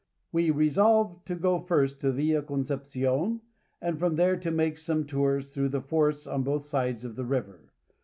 We resolve to go first to Villa Concepcion, and from there to make some tours through the forests on both sides of the river.